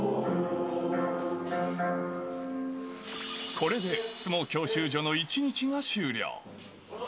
これで相撲教習所の一日が終了。